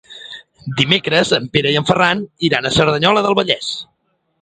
Dimecres en Pere i en Ferran iran a Cerdanyola del Vallès.